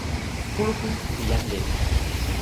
kulupu pi jan lili.